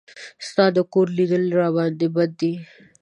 ستا د کور لیدل راباندې بد دي.